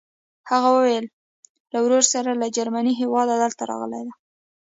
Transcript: هغې ویل له ورور سره له جرمني هېواده دلته راغلې ده.